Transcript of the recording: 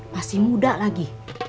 masih muda lagi